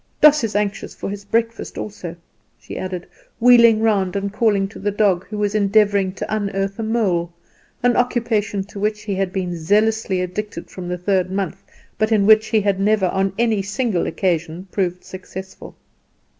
Doss is anxious for his breakfast also," she added, wheeling round and calling to the dog, who was endeavouring to unearth a mole, an occupation to which he had been zealously addicted from the third month, but in which he had never on any single occasion proved successful.